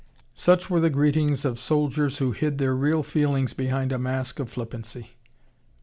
Such were the greetings of soldiers who hid their real feelings behind a mask of flippancy.